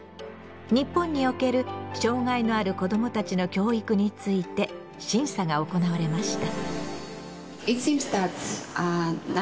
日本における障害のある子どもたちの教育について審査が行われました。